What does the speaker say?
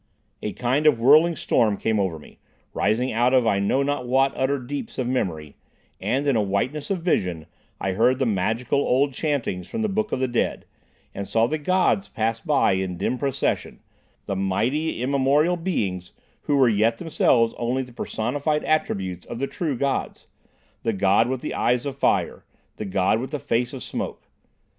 A kind of whirling storm came over me, rising out of I know not what utter deeps of memory, and in a whiteness of vision I heard the magical old chauntings from the Book of the Dead, and saw the Gods pass by in dim procession, the mighty, immemorial Beings who were yet themselves only the personified attributes of the true Gods, the God with the Eyes of Fire, the God with the Face of Smoke.